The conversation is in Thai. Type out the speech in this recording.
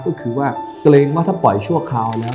ก็คือว่าเกรงว่าถ้าปล่อยชั่วคราวแล้ว